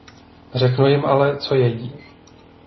Řeknu jim ale, co jedí.